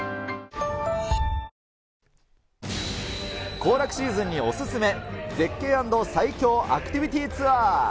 行楽シーズンにお勧め、絶景＆最恐アクティビティーツアー。